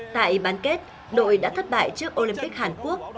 tại bán kết đội đã thất bại trước olympic hàn quốc